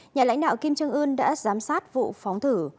nhà lãnh đạo kim trương ươn đã giám sát vụ phóng thử